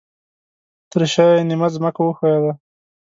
ترشاه یې نیمه ځمکه وښویده